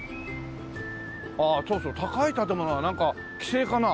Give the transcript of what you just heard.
ああそうそう高い建物はなんか規制かな？